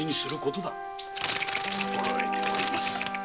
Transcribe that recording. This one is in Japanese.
心得ております。